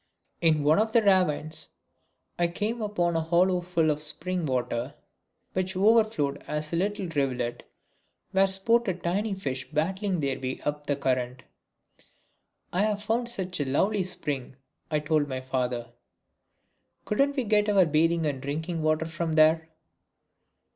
In one of the ravines I came upon a hollow full of spring water which overflowed as a little rivulet, where sported tiny fish battling their way up the current. "I've found such a lovely spring," I told my father. "Couldn't we get our bathing and drinking water from there?"